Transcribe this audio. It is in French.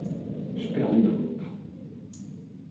J’ai perdu ma montre.